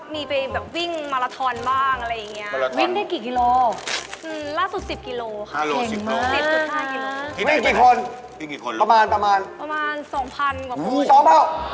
มีไปแบบวิ่งมารทอนบ้างอะไรอย่างเงี้ย